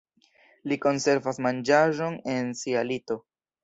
Li konservas manĝaĵon en sia lito.